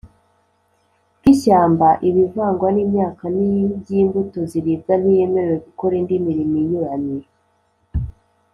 bw ishyamba ibivangwa n imyaka n iby imbuto ziribwa Ntiyemerewe gukora indi mirimo inyuranye